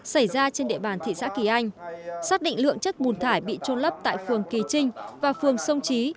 xảy ra trên địa bàn thị xã kỳ anh xác định lượng chất bùn thải bị trôn lấp tại phường kỳ trinh và phường sông trí